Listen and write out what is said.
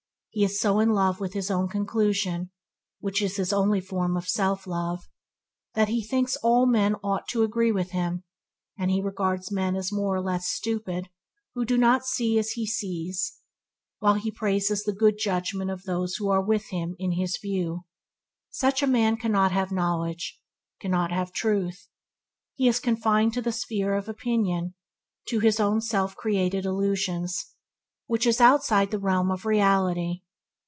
He is so in love with his own conclusion (which is only a form of self love), that he thinks all men ought to agree with him, and he regards men as more or less stupid who do not see as he sees, while he praises the good judgement of those who are one with him in his view. Such a man cannot have knowledge, cannot have truth. He is confined to the sphere of opinion (to his own self created illusions) which is outside the realm of reality.